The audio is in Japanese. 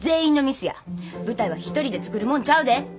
舞台は一人で作るもんちゃうで。